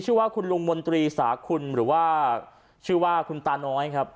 ชื่อว่าคุณลุงมนตรีสาคุณหรือว่าชื่อว่าคุณตาน้อยครับ